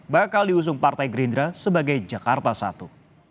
bakal diusung partai gerindra sebagai jakarta satu